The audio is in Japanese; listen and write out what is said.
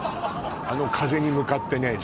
あの風に向かってね